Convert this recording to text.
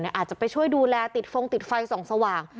อาจจะไปช่วยดูแลติดฟงติดไฟส่องสว่าง